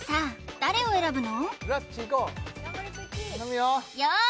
誰を選ぶの？